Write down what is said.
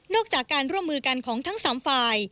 จากการร่วมมือกันของทั้ง๓ฝ่าย